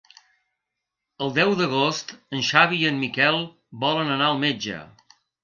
El deu d'agost en Xavi i en Miquel volen anar al metge.